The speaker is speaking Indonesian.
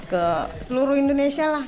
ke seluruh indonesia lah